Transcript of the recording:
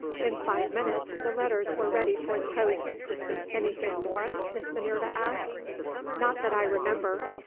In five minutes, the letters were ready for the post. "Anything more?" Miss Minerva asked. "Not that I remember.